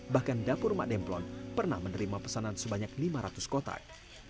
bahkan dapur mak demplon pernah menerima pesanan sebanyak lima ratus kotak